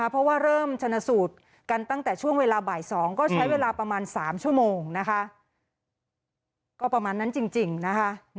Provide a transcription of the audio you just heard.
เพราะว่าเริ่มชนะสูตรกันตั้งแต่ช่วงเวลาบ่าย๒ก็ใช้เวลาประมาณ๓ชั่วโมงนะคะก็ประมาณนั้นจริงนะคะ